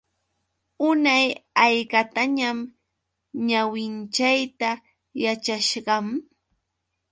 Unay haykatañam ñawinchayta yachashqam.